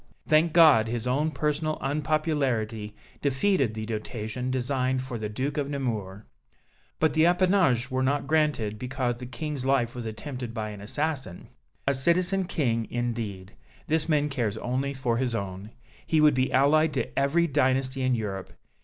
Thank God, his own personal unpopularity defeated the dotation designed for the Duke of Nemours. But the appanages were granted because the King's life was attempted by an assassin. A Citizen King, indeed! This man cares only for his own. He would be allied to every dynasty in Europe.